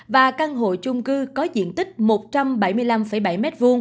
và căn hộ chung cư có diện tích một trăm bảy mươi năm bảy m hai